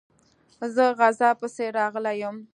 زه غزا پسي راغلی یم.